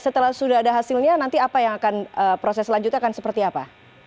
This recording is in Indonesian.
setelah sudah ada hasilnya nanti proses selanjutnya akan seperti apa